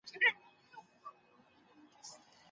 ما پرون ږغ واورېد.